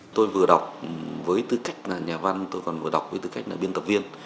tôi vừa đọc với tư cách nhà văn tôi còn vừa đọc với tư cách biên tập viên